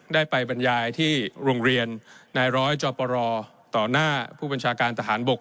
ได้ไปบรรยายที่โรงเรียนนายร้อยจอปรต่อหน้าผู้บัญชาการทหารบก